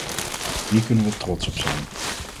Hier kunnen we trots op zijn.